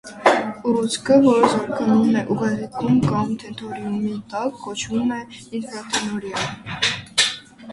Ուռուցքը, որը զարգանում է ուղեղիկում կամ տենտորիումի տակ, կոչվում է ինֆրատենտորիալ։